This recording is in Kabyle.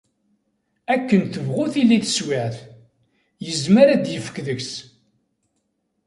Akken tebɣu tili teswiɛt, yezmer ad d-yefk deg-s.